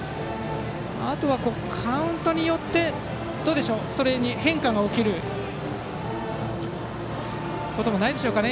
あとはカウントによって変化が起きることもないでしょうかね。